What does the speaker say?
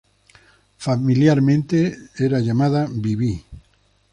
Familiarmente, era llamada "Bibi".